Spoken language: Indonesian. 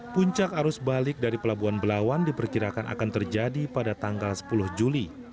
puncak arus balik dari pelabuhan belawan diperkirakan akan terjadi pada tanggal sepuluh juli